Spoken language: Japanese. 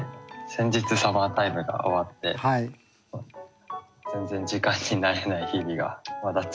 先日サマータイムが終わって全然時間に慣れない日々がまだ続いてます。